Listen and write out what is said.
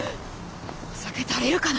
お酒足りるかな。